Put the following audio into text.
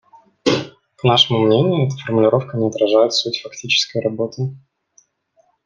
По нашему мнению, эта формулировка не отражает суть фактической работы.